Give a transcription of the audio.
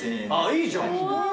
いいじゃん。